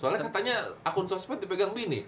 soalnya katanya akun sosmed dipegang bini